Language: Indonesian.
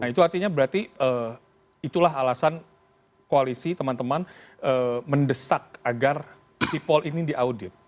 nah itu artinya berarti itulah alasan koalisi teman teman mendesak agar sipol ini diaudit